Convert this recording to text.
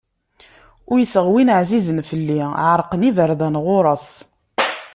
Uyseɣ win ɛzizen fell-i, ɛerqen yiberdan ɣur-s.